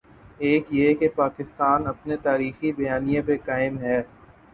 ایک یہ کہ پاکستان اپنے تاریخی بیانیے پر قائم ہے۔